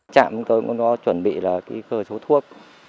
chạm tôi cũng có chuẩn bị là cơ số thuốc